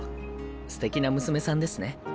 すてきな娘さんですね。